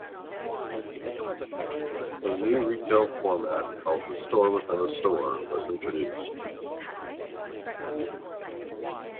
A new retail format called the "store within a store" was introduced.